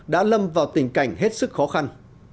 đã lâm vào tình cảnh hết sức khó khăn